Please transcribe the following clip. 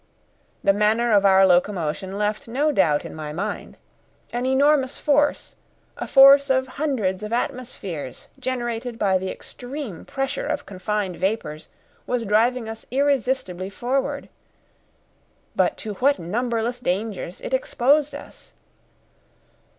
The manner of our locomotion left no doubt in my mind. An enormous force, a force of hundreds of atmospheres, generated by the extreme pressure of confined vapours, was driving us irresistibly forward. But to what numberless dangers it exposed us!